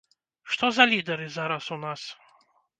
Што за лідары зараз у нас?